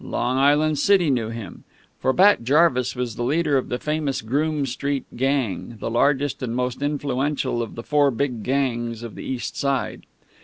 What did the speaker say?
Long Island City knew him. For Bat Jarvis was the leader of the famous Groome Street Gang, the largest and most influential of the four big gangs of the East Side.